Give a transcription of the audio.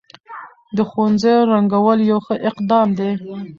د ښوونځيو رنګول يو ښه اقدام دی.